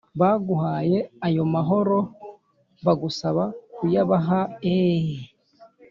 baguhaye ayo maharo bagusaba kuyabaha eee